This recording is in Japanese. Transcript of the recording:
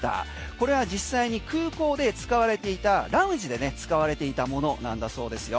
これは実際に空港で使われていたラウンジでね使われていたものだそうですよ。